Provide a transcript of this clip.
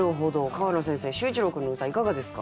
川野先生秀一郎君の歌いかがですか？